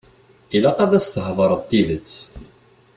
Ilaq ad as-theḍṛeḍ tidet.